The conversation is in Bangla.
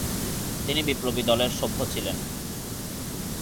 তিনি বিপ্লবী দলের সভ্য ছিলেন।